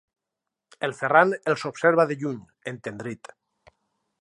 El Ferran els observa de lluny, entendrit.